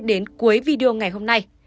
đến cuối video ngày hôm nay